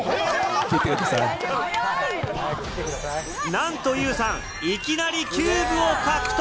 なんとユウさん、いきなりキューブを獲得！